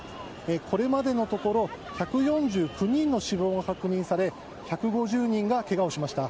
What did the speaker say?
これまでのところ１４９人の死亡が確認され１５０人がけがをしました。